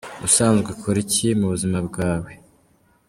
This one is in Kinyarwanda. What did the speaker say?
Ubusanzwe ukora iki mu buzima bwawe?.